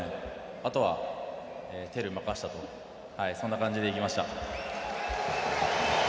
あとはテルに任せたというそんな感じでいきました。